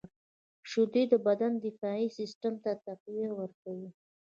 • شیدې د بدن دفاعي سیسټم ته تقویه ورکوي.